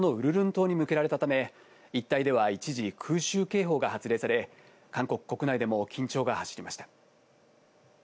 島に向けられたため、一帯では一時、空襲警報が発令され、韓国国内でも緊張が走りました。